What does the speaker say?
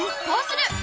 こうする！